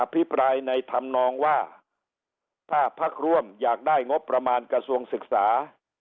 พิปรายในธรรมนองว่าถ้าพักร่วมอยากได้งบประมาณกระทรวงศึกษา